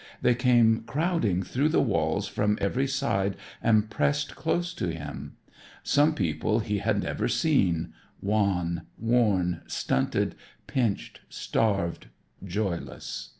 They came crowding through the walls from every side and pressed close to him. Such people he had never seen: wan, worn, stunted, pinched, starved, joyless.